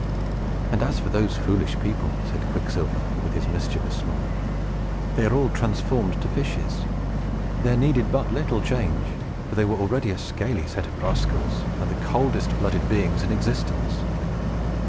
"And as for those foolish people," said Quicksilver, with his mischievous smile, "they are all transformed to fishes. There needed but little change, for they were already a scaly set of rascals, and the coldest blooded beings in existence.